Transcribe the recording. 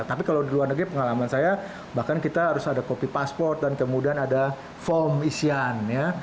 tapi kalau di luar negeri pengalaman saya bahkan kita harus ada kopi pasport dan kemudian ada form isian ya